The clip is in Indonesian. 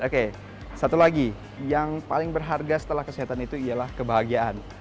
oke satu lagi yang paling berharga setelah kesehatan itu ialah kebahagiaan